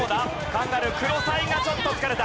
カンガルークロサイがちょっと疲れた。